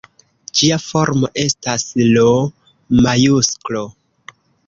Ĝia formo estas L-majusklo.